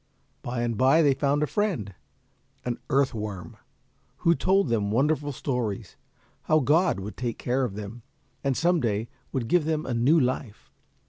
By and by they found a friend, an earth worm, who told them wonderful stories, how God would take care of them, and some day would give them a new life.